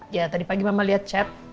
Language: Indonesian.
ya tadi pagi mama lihat chat